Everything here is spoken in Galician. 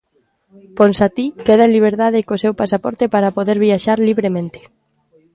Ponsatí queda en liberdade e co seu pasaporte para poder viaxar libremente.